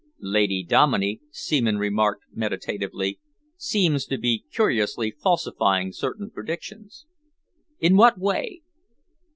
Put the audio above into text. "Lady Dominey," Seaman remarked meditatively, "seems to be curiously falsifying certain predictions." "In what way?"